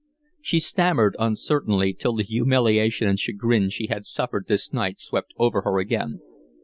She stammered uncertainly till the humiliation and chagrin she had suffered this night swept over her again.